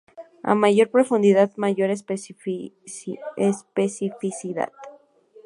A mayor profundidad, mayor especificidad.